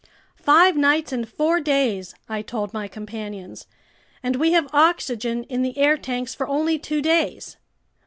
"Five nights and four days!" I told my companions. "And we have oxygen in the air tanks for only two days."